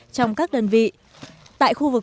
trong các đơn vị tại khu vực